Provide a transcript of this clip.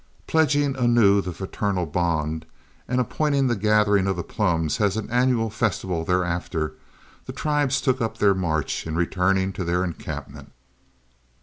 Pledging anew the fraternal bond, and appointing the gathering of the plums as an annual festival thereafter, the tribes took up their march in returning to their encampment.